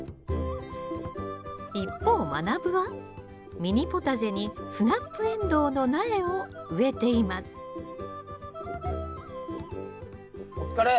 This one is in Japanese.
一方まなぶはミニポタジェにスナップエンドウの苗を植えていますお疲れ！